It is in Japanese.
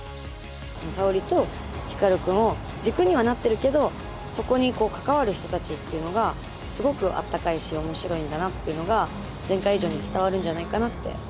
沙織と光くんを軸にはなってるけどそこに関わる人たちっていうのがすごくあったかいし面白いんだなっていうのが前回以上に伝わるんじゃないかなって思います。